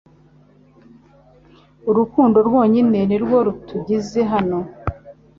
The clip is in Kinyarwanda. urukundo rwonyine nirwo rutugize hano